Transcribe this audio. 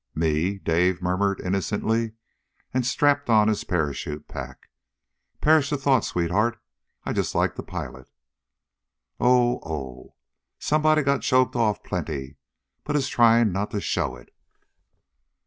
"Me?" Dave murmured innocently, and strapped on his parachute pack. "Perish the thought, sweetheart. I just like to pilot. Oh oh! Somebody got choked off plenty, but is trying not to show it!"